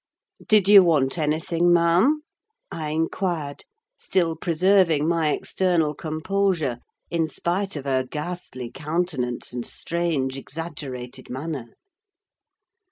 "Did you want anything, ma'am?" I inquired, still preserving my external composure, in spite of her ghastly countenance and strange, exaggerated manner.